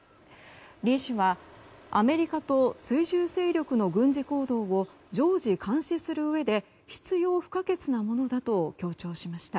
リ氏はアメリカと追従勢力の軍事行動を常時監視するうえで必要不可欠なものだと強調しました。